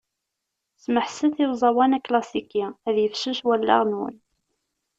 Smeḥset i uẓawan aklasiki, ad yifsus wallaɣ-nwen.